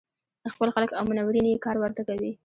خپل خلک او منورین یې کار ورته کوي.